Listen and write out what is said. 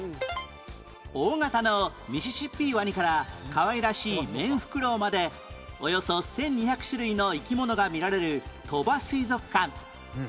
大型のミシシッピーワニからかわいらしいメンフクロウまでおよそ１２００種類の生き物が見られる鳥羽水族館